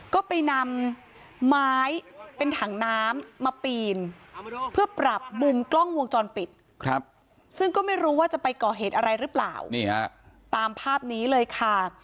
ก็ไปนำไม้เป็นถังน้ำมาปีนเพื่อปรับมุมกล้องวงจรปิดครับซึ่งก็ไม่รู้ว่าจะไปก่อเหตุอะไรหรือเปล่านี่ฮะตามภาพนี้เลยค่ะ